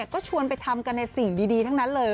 ก็ชวนไปทำกันในสิ่งดีทั้งนั้นเลย